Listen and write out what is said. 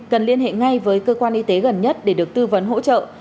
cần liên hệ ngay với cơ quan y tế gần nhất để được tư vấn hỗ trợ